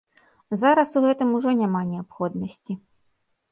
Зараз у гэтым ужо няма неабходнасці.